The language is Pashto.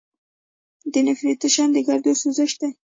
د نیفریټس د ګردو سوزش دی.